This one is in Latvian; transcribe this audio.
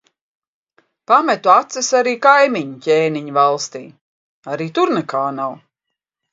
Pametu acis arī kaimiņu ķēniņa valstī. Arī tur nekā nav.